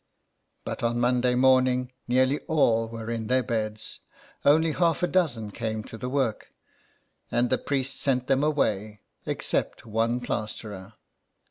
But on Monday morning nearly all were in their beds ; only half a dozen came to the work, and the priest sent them away, except one plasterer.